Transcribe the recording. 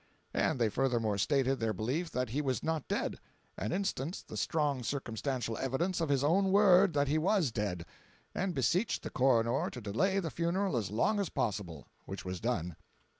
And they furthermore stated their belief that he was not dead, and instanced the strong circumstantial evidence of his own word that he was dead—and beseeched the coroner to delay the funeral as long as possible, which was done.